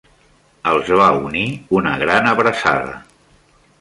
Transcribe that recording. Els va unir una gran abraçada.